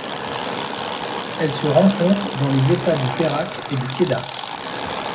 Elle se rencontre dans les États du Perak et du Kedah.